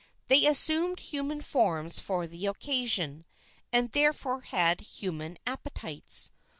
They assumed human forms for the occasion, and therefore had human appetites.